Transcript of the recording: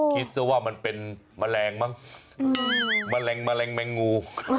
คิดซะว่ามันเป็นแมลงมั้งแมลงแมลงแมงงู